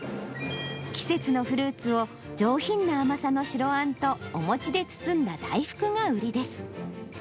季節のフルーツを上品な甘さの白あんと、お餅で包んだ大福が売りです。